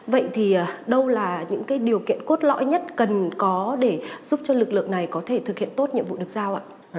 vậy thì đâu là những điều kiện cốt lõi nhất cần có để giúp cho lực lượng này có thể thực hiện tốt nhiệm vụ được giao ạ